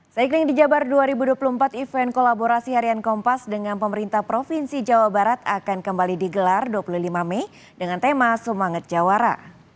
seikning di jabar dua ribu dua puluh empat event kolaborasi harian kompas dengan pemerintah provinsi jawa barat akan kembali digelar dua puluh lima mei dengan tema semangat jawara